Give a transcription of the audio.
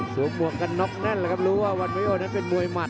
ส่วนผ่วงกับน็อคนั่นแหละครับรู้ว่าวันประโยชน์นั้นเป็นมวยมัด